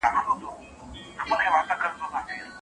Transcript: زما د ورور ناوې زما کور ته په څو لکه راځي